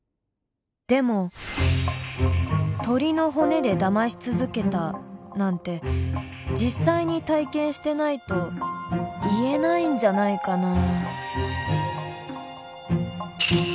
でも鶏の骨でだまし続けたなんて実際に体験してないと言えないんじゃないかな。